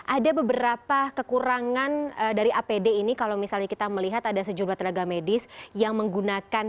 ada beberapa kekurangan dari apd ini kalau misalnya kita melihat ada sejumlah tenaga medis yang menggunakan